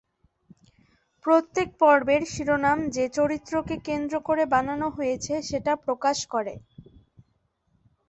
প্রত্যেক পর্বের শিরোনাম যে চরিত্রকে কেন্দ্র করে বানানো হয়েছে, সেটা প্রকাশ করে।